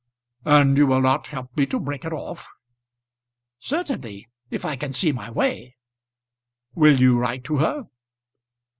"And you will not help me to break it off?" "Certainly, if I can see my way." "Will you write to her?"